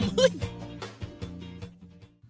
ถูกต้องค่ะ